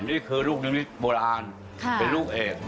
นี่คือลูกนิมิตโบราณเป็นลูกเอก